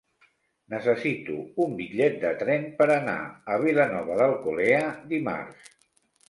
Necessito un bitllet de tren per anar a Vilanova d'Alcolea dimarts.